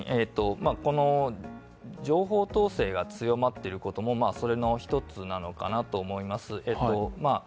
情報統制が強まっていることもそれの１つなのかなと思います。